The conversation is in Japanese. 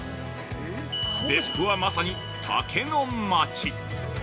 別府は、まさに竹の町。